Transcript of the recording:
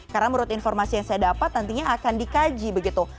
karena menurut informasi yang saya dapat nantinya akan dikaji begitu